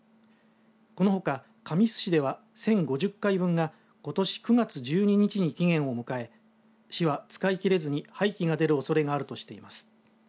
このほか神栖市では１０５０回分が、ことし９月１２日に期限を迎え市は使い切れずに廃棄が出るおそれがあるとしています。